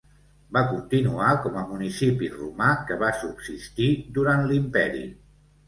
Va continuar com a municipi romà que va subsistir durant l'Imperi.